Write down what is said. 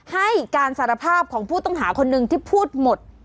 ให้การสารภาพของผู้ต้องหาคนหนึ่งที่พูดหมด